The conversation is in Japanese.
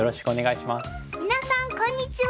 皆さんこんにちは。